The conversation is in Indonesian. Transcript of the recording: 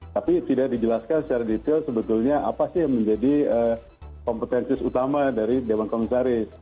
tapi tidak dijelaskan secara detail sebetulnya apa sih yang menjadi kompetensi utama dari dewan komisaris